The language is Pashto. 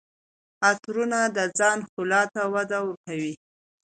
عطرونه د ځان ښکلا ته وده ورکوي.